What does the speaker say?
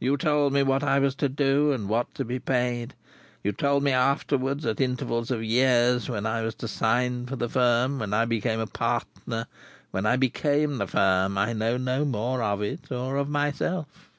You told me what I was to do, and what to be paid; you told me afterwards, at intervals of years, when I was to sign for the Firm, when I became a partner, when I became the Firm. I know no more of it, or of myself."